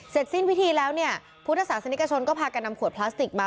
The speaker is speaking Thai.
สิ้นพิธีแล้วเนี่ยพุทธศาสนิกชนก็พากันนำขวดพลาสติกมา